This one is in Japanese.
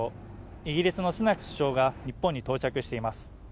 イギリスのスナク首相が日本に到着しています